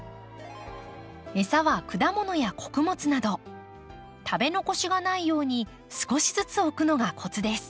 餌は果物や穀物など食べ残しがないように少しずつ置くのがコツです。